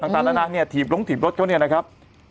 ต่างนานาเนี่ยถีบลงถีบรถเขาเนี่ยนะครับ